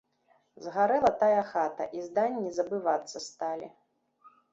Згарэла тая хата, і зданні забывацца сталі.